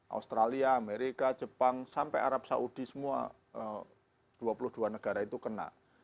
australia amerika jepang sampai arab saudi semua dua puluh dua negara itu kena